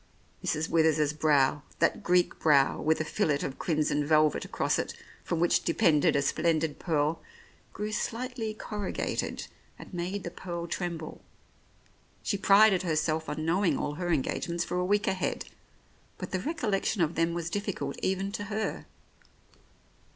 ? Mrs. Withers's brow, that Greek brow with a fillet of crimson velvet across it, from which depended a splendid pearl, grew slightly corrugated, and made the pearl tremble. She prided herself on knowing all her engagements for a week ahead, but the recol lection of them was difficult even to her.